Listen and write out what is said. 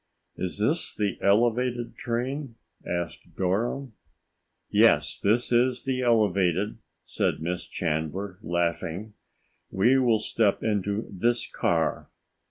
"Is this the evelated train?" asked Dora. "Yes, this is the elevated," said Miss Chandler, laughing. "We will step into this car."